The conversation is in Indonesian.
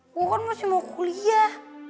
aku kan masih mau kuliah